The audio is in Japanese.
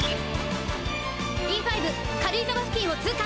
Ｅ５軽井沢付近を通過。